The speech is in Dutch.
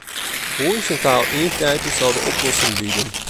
Horizontaal ingrijpen zal de oplossing bieden.